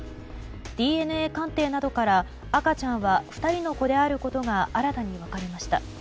ＤＮＡ鑑定などから赤ちゃんは２人の子であることが新たに分かりました。